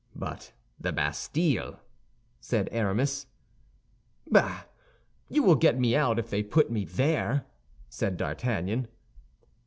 "But the Bastille?" said Aramis. "Bah! you will get me out if they put me there," said D'Artagnan.